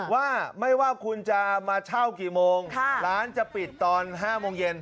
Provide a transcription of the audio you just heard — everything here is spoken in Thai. ว่าไม่ว่าคุณจะมาเช่ากี่โมงร้านจะปิดตอน๕โมงเย็น